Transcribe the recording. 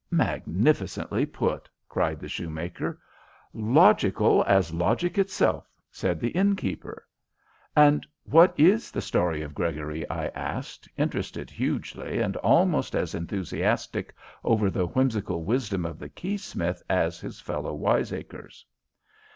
"Magnificently put!" cried the shoemaker. "Logical as logic itself!" said the innkeeper. "And what is the story of Gregory?" I asked, interested hugely and almost as enthusiastic over the whimsical wisdom of the keysmith as his fellow wiseacres.